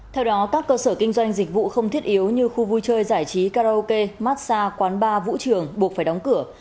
theo đó các cơ sở kinh doanh dịch vụ không thiết yếu như khu vui chơi giải trí karaoke massage quán bar vũ trường buộc phải đóng cửa